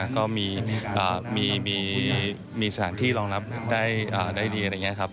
ก็มีสถานที่รองรับได้ดีอย่างไรไงครับ